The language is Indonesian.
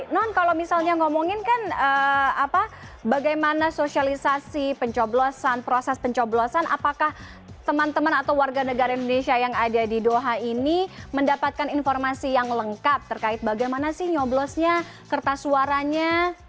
non kalau misalnya ngomongin kan bagaimana sosialisasi pencoblosan proses pencoblosan apakah teman teman atau warga negara indonesia yang ada di doha ini mendapatkan informasi yang lengkap terkait bagaimana sih nyoblosnya kertas suaranya